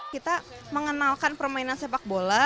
kita mengenalkan permainan sepak bola